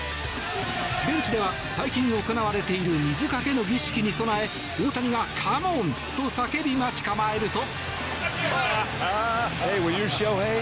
ベンチでは、最近行われている水かけの儀式に備え大谷が、カモーン！と叫び待ち構えると。